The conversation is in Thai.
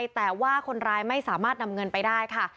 แต่ว่าคนร้ายไม่สามารถนำเงินไปได้ค่ะ